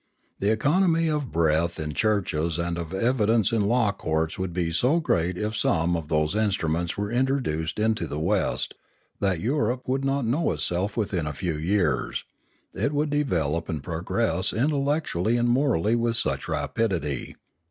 The economy of breath in churches and of evidence in law courts would be so great if some of those instruments were introduced into the West, that Europe would not know itself within a few years, it would develop and progress intellect ually and morally with such rapidity.